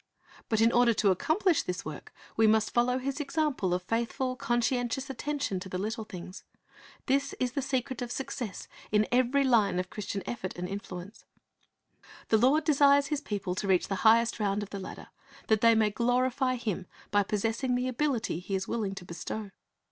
But in order to accomplish this work, we must follow His example of faithful, conscientious attention to the little things. This is the secret of success in every line of Christian effort and influence. The Lord desires His people to reach the highest round of the ladder, that they may glorify Him by possessing the ability He is willing to bestow.